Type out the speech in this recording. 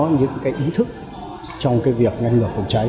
có những cái ý thức trong cái việc ngành ngừa phòng cháy